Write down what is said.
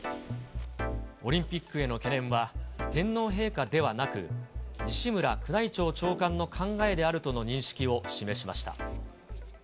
オリンピックへの懸念は、天皇陛下ではなく、西村宮内庁長官の考えであるとの認識を示しました。